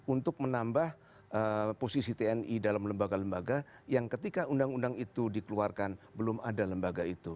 untuk menambah posisi tni dalam lembaga lembaga yang ketika undang undang itu dikeluarkan belum ada lembaga itu